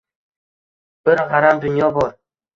Bir g‘aram dunyo bor